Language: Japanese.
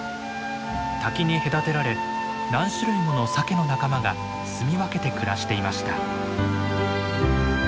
滝に隔てられ何種類ものサケの仲間がすみ分けて暮らしていました。